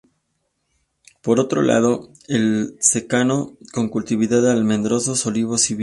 Por otro lado, el secano, con cultivos de almendros, olivos y vid.